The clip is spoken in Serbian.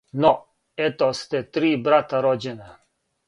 Но ето сте три брата рођена,